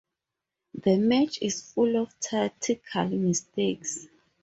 The match is full of tactical mistakes.